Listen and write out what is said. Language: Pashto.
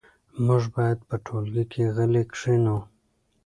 موږ باید په ټولګي کې غلي کښېنو.